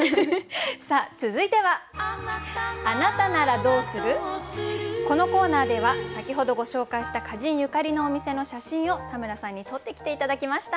さあ続いてはこのコーナーでは先ほどご紹介した歌人ゆかりのお店の写真を田村さんに撮ってきて頂きました。